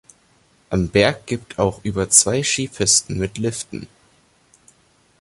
Am Berg gibt auch über zwei Skipisten mit Liften.